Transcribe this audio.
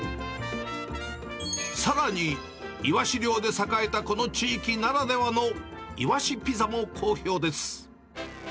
さらに、イワシ漁で栄えたこの地域ならではの、いわしピザも好評です。